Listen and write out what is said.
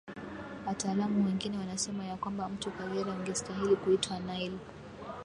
Wataalamu wengine wanasema ya kwamba mto Kagera ungestahili kuitwa Nile